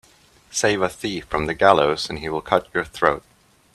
Save a thief from the gallows and he will cut your throat